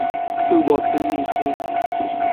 Yvoty michĩ.